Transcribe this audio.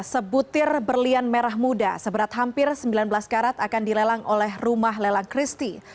sebutir berlian merah muda seberat hampir sembilan belas karat akan dilelang oleh rumah lelang christie